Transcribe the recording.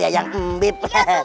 ya yang mbib